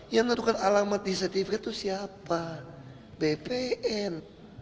yang menetapkan alamat di sertifikat itu siapa bpn